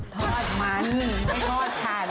ทอดมันไม่ทอดฉัน